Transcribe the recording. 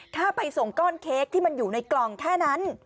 แค่ไปส่งก้อนเค้กที่มันอยู่ในกล่องแค่นั้น